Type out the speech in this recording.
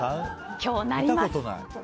今日、なります。